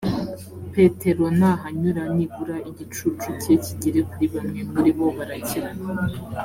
petero nahanyura nibura igicucu cye kigere kuri bamwe muri bo barakira